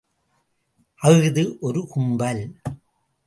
அஃது ஒரு கும்பல்!